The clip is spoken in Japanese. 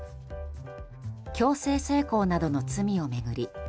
強制性交などの罪を巡り